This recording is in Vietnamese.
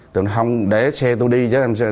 tôi nói không để xe tôi đi